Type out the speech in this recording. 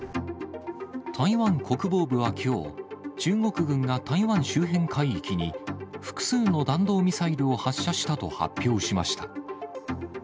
台湾国防部はきょう、中国軍が台湾周辺海域に、複数の弾道ミサイルを発射したと発表しました。